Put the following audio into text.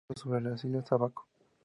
Está situado sobre las Islas Ábaco.